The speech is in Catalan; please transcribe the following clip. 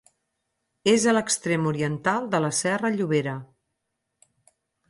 És a l'extrem oriental de la Serra Llobera.